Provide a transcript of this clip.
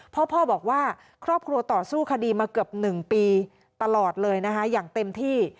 พ่อบอกว่าครอบครัวต่อสู้คดีมาเกือบ๑ปีตลอดเลยนะคะอย่างเต็มที่